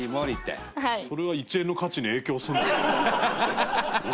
富澤：それは１円の価値に影響するの？